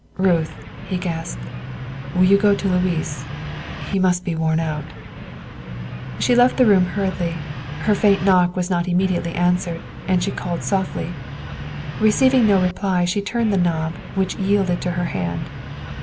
"Ruth," he gasped, "will you go to Louis? He must be worn out." She left the room hurriedly. Her faint knock was not immediately answered, and she called softly; receiving no reply, she turned the knob, which yielded to her hand.